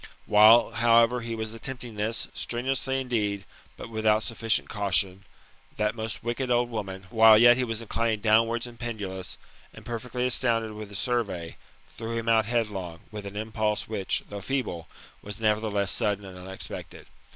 While, however, he was attempting this, strenuously indeed, but without sufficient 4 This is said KaTa\fyrfaTiK(iK, ahmvefy. 58 THE MBTAIIORPHOSIS, Ott caution, that most wicked old woman, while yet he was inclin ing downwards and pendulous, and perfectly astounded with the survey, threw him out headlong, with an impulse; which, though feeble, was nevertheless sudden and unexpected.